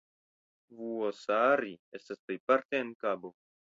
Vuosaari estas plejparte en kabo.